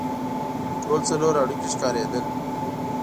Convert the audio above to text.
ټول څلور هډوکي ښکارېدل.